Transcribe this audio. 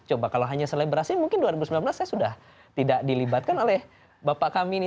coba kalau hanya selebrasi mungkin dua ribu sembilan belas saya sudah tidak dilibatkan oleh bapak kami ini